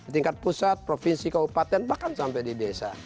tingkat pusat provinsi kabupaten bahkan sampai di desa